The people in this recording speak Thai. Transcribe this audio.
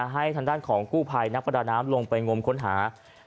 ให้ทางด้านของกู้ภัยนักประดาน้ำลงไปงมค้นหา